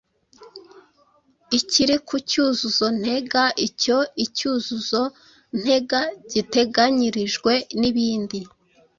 ikiri ku cyuzuzo ntega, icyo icyuzuzo ntega giteganyirijwe, n’ibindi.